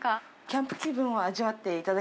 キャンプ気分を味わっていた